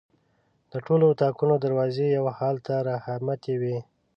د ټولو اطاقونو دروازې یو حال ته رامتې وې.